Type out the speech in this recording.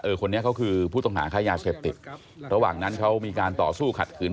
คนนี้เขาคือผู้ต้องหาค่ายาเสพติดระหว่างนั้นเขามีการต่อสู้ขัดขืน